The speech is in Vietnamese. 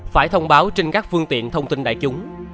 phải thông báo trên các phương tiện thông tin đại chúng